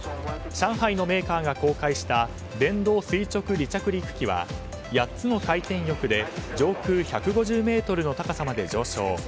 上海のメーカーが公開した電動垂直離着陸機は８つの回転翼で上空１５０ｍの高さまで上昇。